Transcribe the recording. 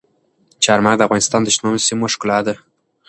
چار مغز د افغانستان د شنو سیمو ښکلا ده.